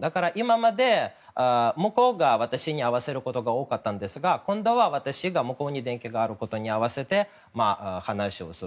だから、今まで向こうが私に合わせることが多かったんですが、今度は私が向こうに電気がある時に合わせて話をする。